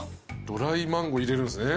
ドライマンゴー入れるんすね。